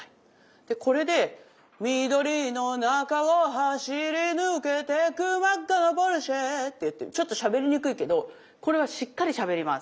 でこれで「緑の中を走り抜けてく真紅なポルシェ」って言ってちょっとしゃべりにくいけどこれはしっかりしゃべります。